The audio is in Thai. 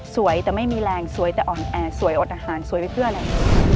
สวยแต่ไม่มีแรงสวยแต่อ่อนแอสวยอดอาหารสวยไปเพื่ออะไร